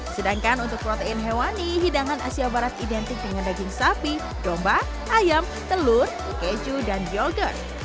sedangkan untuk protein hewani hidangan asia barat identik dengan daging sapi domba ayam telur keju dan yogurt